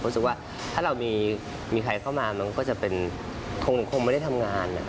เพราะว่าถ้ามีใครเข้ามานั่งก็จะทงโดงโครมไม่ได้ทำงาน